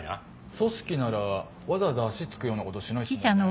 組織ならわざわざ足つくようなことしないっすもんね。